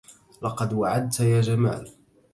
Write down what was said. لقد وعدت يا جمال.